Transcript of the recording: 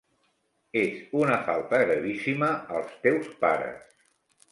És una falta gravíssima als teus pares.